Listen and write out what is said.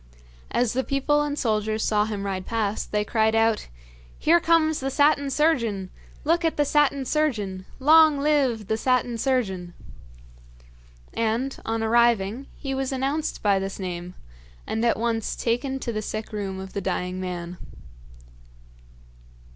As the people and soldiers saw him ride past they cried out: 'Here comes the Satin Surgeon! Look at the Satin Surgeon! Long live the Satin Surgeon!' And, on arriving, he was announced by this name, and at once taken to the sick room of the dying man.